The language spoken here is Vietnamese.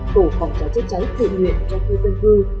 tổ phòng cháy cháy cháy tự luyện cho khu dân cư